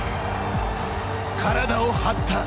体を張った。